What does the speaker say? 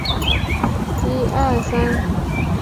阿戈讷地区普雷特。